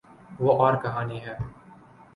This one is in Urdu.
وہ اورکہانی ہے۔